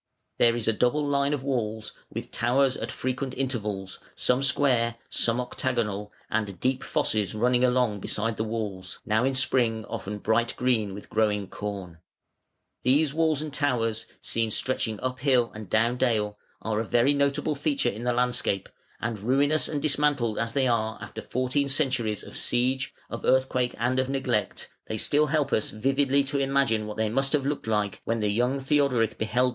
There is a double line of walls with towers at frequent intervals, some square, some octagonal, and deep fosses running along beside the walls, now in spring often bright green with growing corn. These walls and towers, seen stretching up hill and down dale, are a very notable feature in the landscape, and ruinous and dismantled as they are after fourteen centuries of siege, of earthquake, and of neglect, they still help us vividly to imagine what they must have looked like when the young Theodoric beheld them little more than ten years after their erection.